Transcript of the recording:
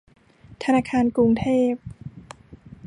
ธนาคารกรุงเทพ